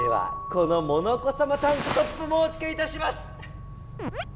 このモノコさまタンクトップもおつけいたします！